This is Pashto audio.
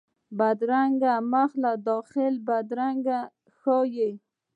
بدرنګه مخ له داخلي بدرنګي ښيي